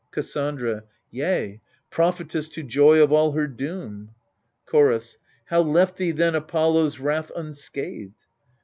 Cassandra Yea — prophetess to Troy of all her doom. Chorus How left thee then Apollo's wrath unscathed